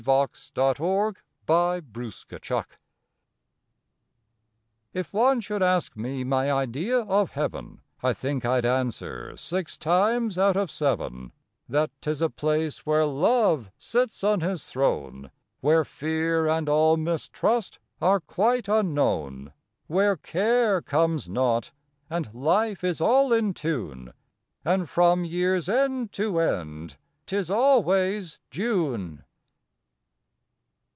June First A FAIR IDEA TF one should ask me my idea of Heaven I think I d answer six times out of seven That tis a place where Love sits on his throne, Where fear and all mistrust are quite un known; Where care comes not, and life is all in tune, And from year s end to end tis always June.